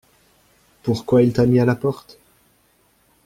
Pourquoi il t’a mis à la porte?